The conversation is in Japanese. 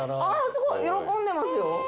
あーすごい喜んでますよ。